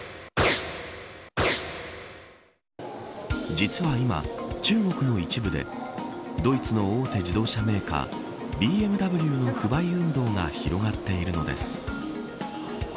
実は今、中国の一部でドイツの大手自動車メーカーＢＭＷの不買運動が広がっているのです。